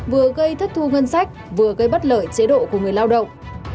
vừa gây thất thu ngân sách vừa gây bất lợi chế độ của người lao động